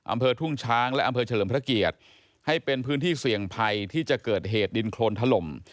อำเภอทุ่งช้างและอำเภอเฉลิมพระเกียรติให้เป็นพื้นที่เสี่ยงภัยที่จะเกิดเหตุดินโครนถล่ม